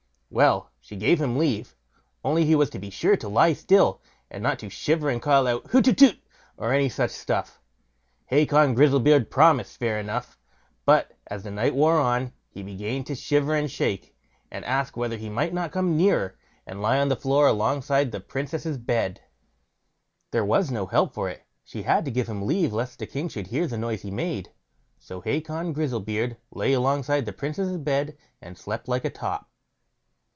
Well! she gave him leave, only he was to be sure to lie still, and not to shiver and call out "hutetu", or any such stuff. Hacon Grizzlebeard promised fair enough, but as the night wore on he began to shiver and shake, and to ask whether he might not come nearer, and lie on the floor alongside the Princess' bed. There was no help for it; she had to give him leave, lest the king should hear the noise he made. So Hacon Grizzlebeard lay alongside the Princess' bed, and slept like a top.